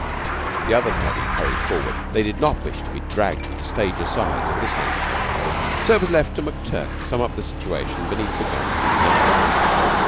The other study hurried forward. They did not wish to be dragged into stage asides of this nature. So it was left to McTurk to sum up the situation beneath the guns of the enemy.